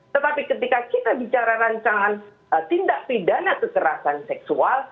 tetapi ketika kita bicara rancangan tindak pidana kekerasan seksual